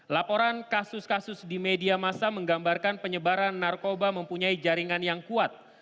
laporan kasus kasus di media masa menggambarkan penyebaran narkoba mempunyai jaringan yang kuat